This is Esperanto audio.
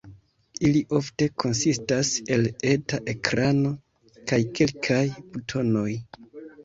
Ili ofte konsistas el eta ekrano kaj kelkaj butonoj.